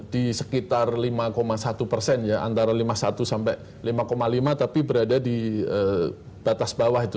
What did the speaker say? di sekitar lima satu persen ya antara lima puluh satu sampai lima lima tapi berada di batas bawah itu